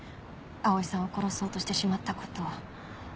葵さんを殺そうとしてしまったことを。